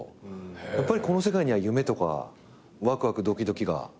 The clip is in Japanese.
やっぱりこの世界には夢とかワクワクドキドキが。